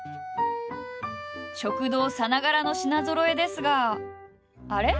食堂さながらの品ぞろえですがあれ？